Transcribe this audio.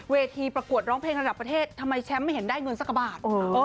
ประกวดร้องเพลงระดับประเทศทำไมแชมป์ไม่เห็นได้เงินสักกระบาท